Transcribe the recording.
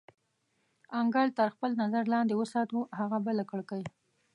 انګړ تر خپل نظر لاندې وساتو، هغه بله کړکۍ.